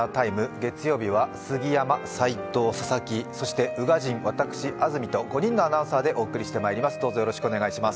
月曜日は杉山、齋藤、佐々木、そして宇賀神、私、安住と５人のアナウンサーでお送りしてまいります。